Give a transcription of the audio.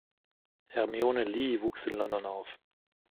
Hermione Lee wuchs in London auf.